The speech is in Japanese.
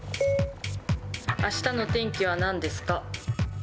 あしたの天気はなんですか？